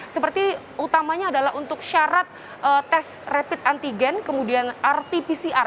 seperti utamanya adalah untuk syarat tes rapid antigen kemudian rt pcr